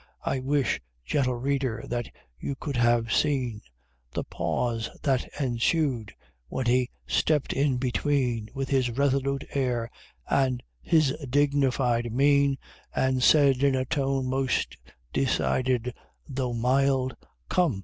I wish, gentle Reader, that you could have seen The pause that ensued when he stepped in between, With his resolute air, and his dignified mien, And said, in a tone most decided though mild, "Come!